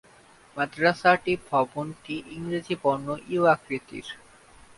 মাদ্রাসাটি ভবনটি ইংরেজি বর্ণ ইউ-আকৃতির।